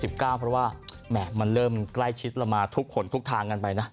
เพราะว่าแหม่มันเริ่มใกล้ชิดเรามาทุกขนทุกทางกันไปนะ